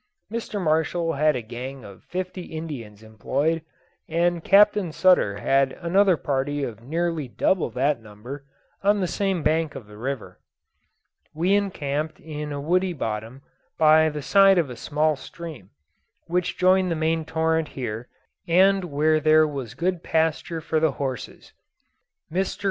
Mr. Marshall had a gang of fifty Indians employed, and Captain Sutter had another party of nearly double that number, on the same bank of the river. We encamped in a woody bottom, by the side of a small stream, which joined the main torrent here, and where there was good pasture for the horses. Mr.